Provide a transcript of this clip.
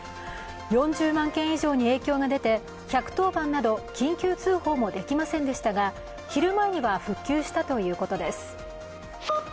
４０万件以上に影響が出て、１１０番など緊急通報もできませんでしたが、昼前には復旧したということです。